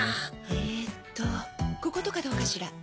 えっとこことかどうかしら？